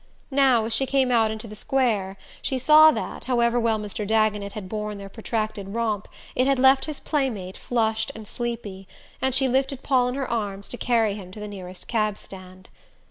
Now, as she came out into the square she saw that, however well Mr. Dagonet had borne their protracted romp, it had left his playmate flushed and sleepy; and she lifted Paul in her arms to carry him to the nearest cab stand.